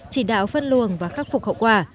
chỉ đạo phân luồng và khắc phục khẩu quả